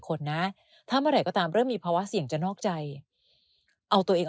คนนะทำอะไรก็ตามเรื่องมีภาวะเสียงจะนอกใจเอาตัวเอง